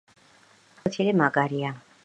სპორტის გაკვეთილი მაგარია